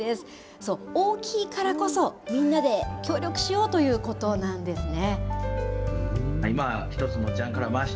そう、大きいからこそ、みんなで協力しようということなんですね。